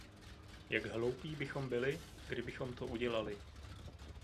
Jak hloupí bychom byli, kdybychom to udělali.